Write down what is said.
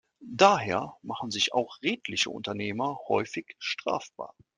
Daher machen sich auch redliche Unternehmer häufig strafbar.